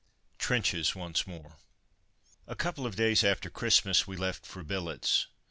TRENCHES ONCE MORE A couple of days after Christmas we left for billets.